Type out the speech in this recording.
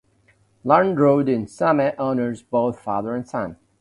Larned Road in Summit honors both father and son.